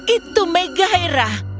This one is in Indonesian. itu mega hera